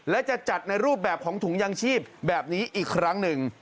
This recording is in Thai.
และจะจัดในรูปแบบของถุงยางชีพแบบนี้อีกครั้งหนึ่ง